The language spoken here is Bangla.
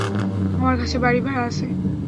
আমার কাছে বাড়ি ভাড়া আছে।